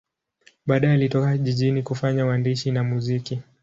Baadaye alitoka jijini kufanya uandishi na muziki.